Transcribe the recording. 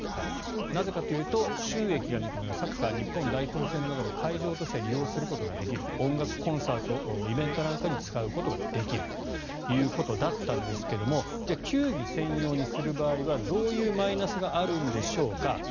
なぜかというと収益が見込めるサッカー日本代表戦の会場などで利用することができる音楽コンサートイベントなんかに使うことができるということだったんですがじゃあ、球技専用にする場合にはどういうマイナスがあるのでしょうか。